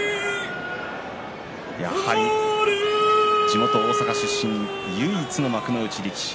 やはり地元大阪出身唯一の幕内力士。